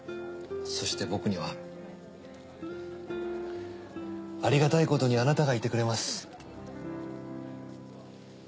そして僕にはありがたいことにあなたがいてくれます。